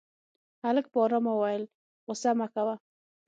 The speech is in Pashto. هلک په آرامه وويل غوسه مه کوه.